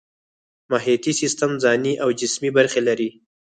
محیطي سیستم ځانی او جسمي برخې لري